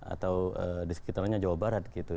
atau di sekitarnya jawa barat gitu